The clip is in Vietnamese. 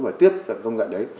và tiếp cận công nghệ đấy